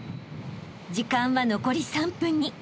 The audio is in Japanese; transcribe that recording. ［時間は残り３分に］